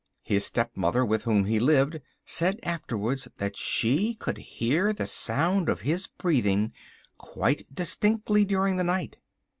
His stepmother, with whom he lived, said afterwards that she could hear the sound of his breathing quite distinctly during the night."